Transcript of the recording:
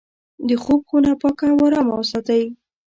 د خوب خونه پاکه او ارامه وساتئ.